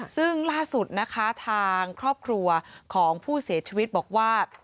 ซึ่งล่าสุดนะคะทางครอบครัวของผู้เสียชีวิตบอกว่า